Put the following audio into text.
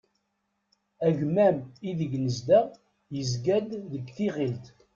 Agmam ideg nezdeɣ yezgan-d deg tiɣilt.